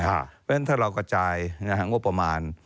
เพราะฉะนั้นถ้าเรากระจายงบประมาณ